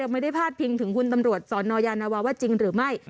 ไม่ได้พาดพิงถึงคุณตำรวจสนยานวาว่าจริงหรือไม่